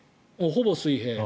ほぼ水平。